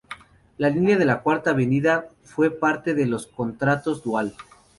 La línea de la Cuarta Avenida fue parte de los contratos Dual.